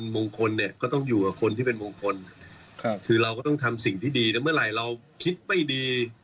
เมื่อไหร่เราคิดไม่ดี